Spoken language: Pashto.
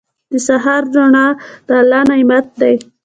• د سهار روڼا د الله نعمت دی.